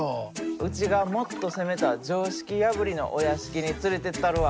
うちがもっと攻めた常識破りのお屋敷に連れてったるわ。